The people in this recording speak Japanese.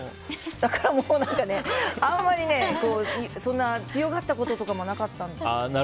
だから、もうあんまりそんな強がったこととかもなかったんですけど。